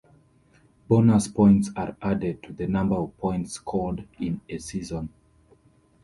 Bonus points are added to the number of points scored in a season.